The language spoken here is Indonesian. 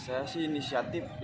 saya sih inisiatif